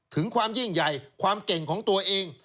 ถึงความยิ่งใหญ่ความเก่งของตัวเอง